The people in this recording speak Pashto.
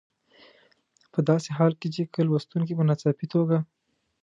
په داسې حال کې چې که لوستونکي په ناڅاپي توګه.